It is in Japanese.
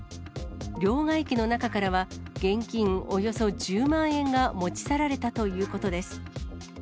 両替機の中からは、現金およそ１０万円が持ち去られたということです。